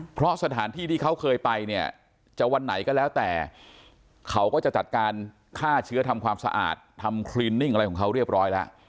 เพราะสถานที่ที่เขาเคยไปเนี่ยจะวันไหนก็แล้วแต่เขาก็จะจัดการฆ่าเชื้อทำความสะอาดทำคลินิ่งอะไรของเขาเรียบร้อยแล้ว